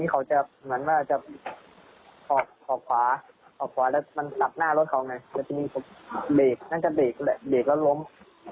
แต่ว่าสุดท้ายก็ตามจนทัน